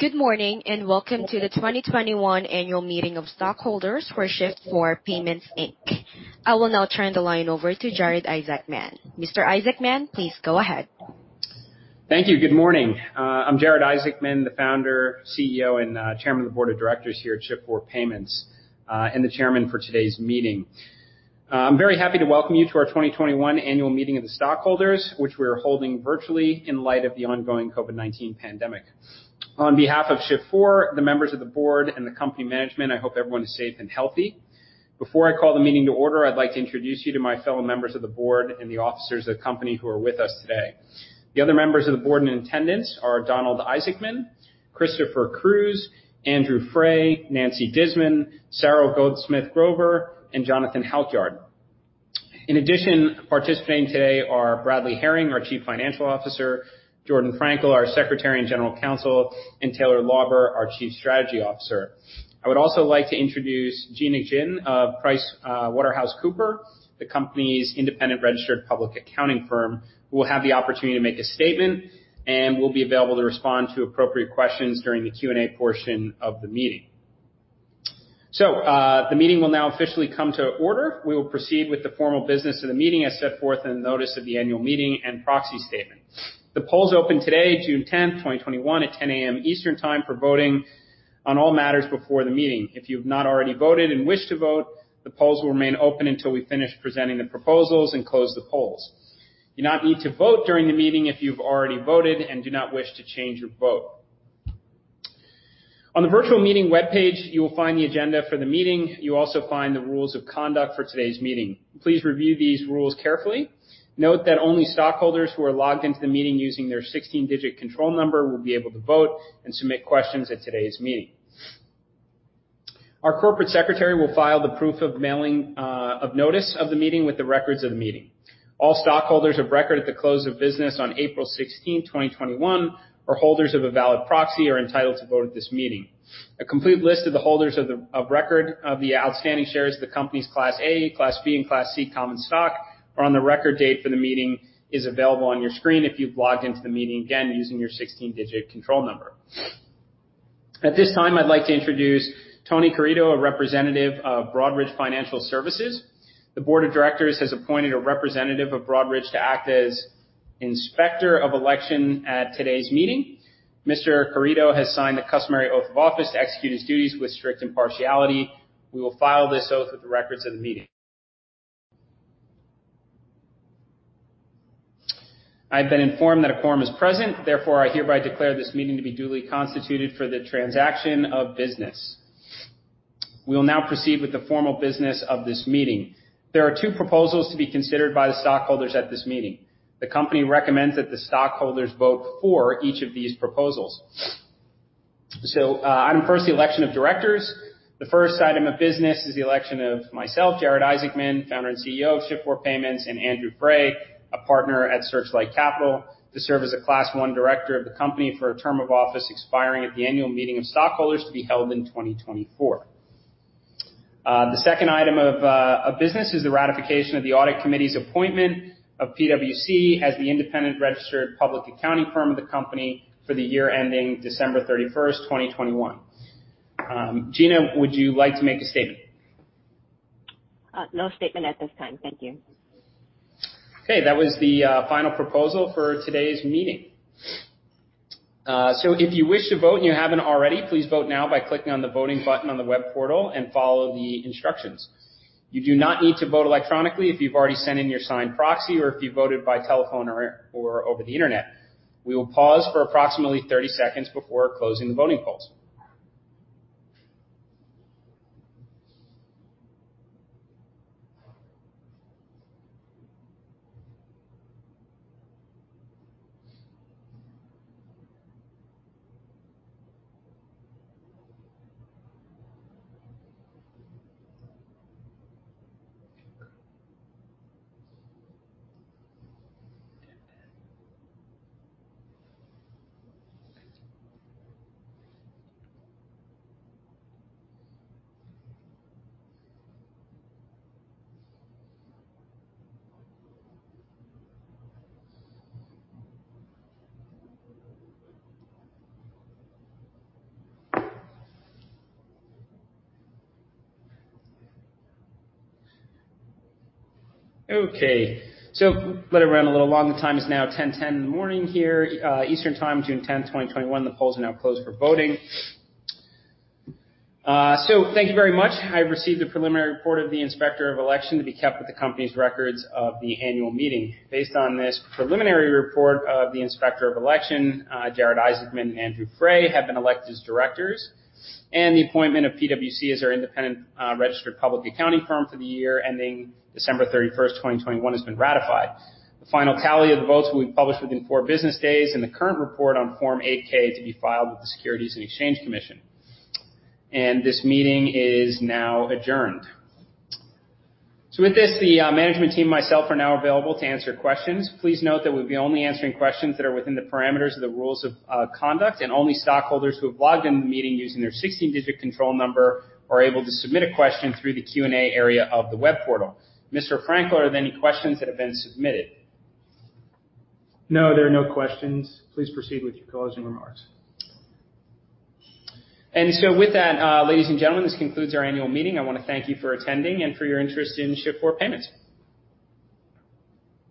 Good morning, and Welcome to the 2021 Annual Meeting of Stockholders for Shift4 Payments, Inc. I will now turn the line over to Jared Isaacman. Mr. Isaacman, please go ahead. Thank you. Good morning. I'm Jared Isaacman, the Founder, CEO, and Chairman of the Board of Directors here at Shift4 Payments, and the Chairman for today's meeting. I'm very happy to welcome you to our 2021 annual meeting of the stockholders, which we are holding virtually in light of the ongoing COVID-19 pandemic. On behalf of Shift4, the members of the Board, and the company management, I hope everyone's safe and healthy. Before I call the meeting to order, I'd like to introduce you to my fellow members of the Board and the officers of the company who are with us today. The other members of the board in attendance are Donald Isaacman, Christopher Cruz, Andrew Frey, Nancy Disman, Sarah Goldsmith-Grover, and Jonathan Halkyard. In addition, participating today are Bradley Herring, our Chief Financial Officer, Jordan Frankel, our Secretary and General Counsel, and Taylor Lauber, our Chief Strategy Officer. I would also like to introduce Gina Jin of PricewaterhouseCoopers, the company's independent registered public accounting firm, who will have the opportunity to make a statement and will be available to respond to appropriate questions during the Q&A portion of the meeting. The meeting will now officially come to order. We will proceed with the formal business of the meeting as set forth in the notice of the annual meeting and proxy statement. The polls opened today, June 10th, 2021, at 10:00 A.M. Eastern Time for voting on all matters before the meeting. If you have not already voted and wish to vote, the polls will remain open until we finish presenting the proposals and close the polls. You do not need to vote during the meeting if you've already voted and do not wish to change your vote. On the virtual meeting webpage, you will find the agenda for the meeting. You'll also find the rules of conduct for today's meeting. Please review these rules carefully. Note that only stockholders who are logged into the meeting using their 16-digit control number will be able to vote and submit questions at today's meeting. Our corporate secretary will file the proof of mailing of notice of the meeting with the records of the meeting. All stockholders of record at the close of business on April 16th, 2021, or holders of a valid proxy, are entitled to vote at this meeting. A complete list of the holders of record of the outstanding shares of the company's Class A, Class B, and Class C common stock on the record date for the meeting is available on your screen if you've logged into the meeting, again, using your 16-digit control number. At this time, I'd like to introduce Tony Carito, a representative of Broadridge Financial Services. The Board of Directors has appointed a representative of Broadridge to act as inspector of election at today's meeting. Mr. Carito has signed a customary oath of office to execute his duties with strict impartiality. We will file this oath with the records of the meeting. I've been informed that a quorum is present. Therefore, I hereby declare this meeting to be duly constituted for the transaction of business. We will now proceed with the formal business of this meeting. There are two proposals to be considered by the stockholders at this meeting. The company recommends that the stockholders vote for each of these proposals. On first, the election of directors. The first item of business is the election of myself, Jared Isaacman, Founder and CEO of Shift4 Payments, and Andrew Frey, a partner at Searchlight Capital, to serve as a Class I director of the company for a term of office expiring at the annual meeting of stockholders to be held in 2024. The second item of business is the ratification of the audit committee's appointment of PwC as the independent registered public accounting firm of the company for the year ending December 31, 2021. Gina, would you like to make a statement? No statement at this time. Thank you. That was the final proposal for today's meeting. If you wish to vote and you haven't already, please vote now by clicking on the Voting button on the web portal and follow the instructions. You do not need to vote electronically if you've already sent in your signed proxy or if you voted by telephone or over the internet. We will pause for approximately 30 seconds before closing the voting polls. Let it run a little longer. The time is now 10:10 A.M. here, Eastern Time, June 10, 2021. The poll is now closed for voting. Thank you very much. I received a preliminary report of the inspector of election to be kept with the company's records of the annual meeting. Based on this preliminary report of the inspector of election, Jared Isaacman and Andrew Frey have been elected as directors. The appointment of PwC as our independent registered public accounting firm for the year ending December 31st, 2021, has been ratified. The final tally of the votes will be published within four business days in the current report on Form 8-K to be filed with the Securities and Exchange Commission. This meeting is now adjourned. With this, the management team and myself are now available to answer questions. Please note that we'll be only answering questions that are within the parameters of the rules of conduct, and only stockholders who have logged into the meeting using their 16-digit control number are able to submit a question through the Q&A area of the web portal. Mr. Frankel, are there any questions that have been submitted? No, there are no questions. Please proceed with your closing remarks. With that, ladies and gentlemen, this concludes our annual meeting. I want to thank you for attending and for your interest in Shift4 Payments.